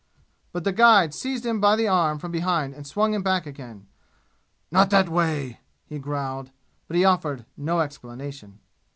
But the guide seized him by the arm from behind and swung him back again. "Not that way!" he growled. But he offered no explanation.